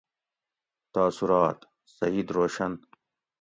تاثرات: :سعید روشن